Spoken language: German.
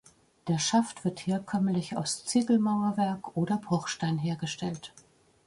Der Schaft wird herkömmlich aus Ziegelmauerwerk oder Bruchstein hergestellt.